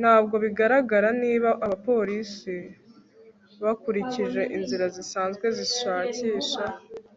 ntabwo bigaragara niba abapolisi bakurikije inzira zisanzwe zishakisha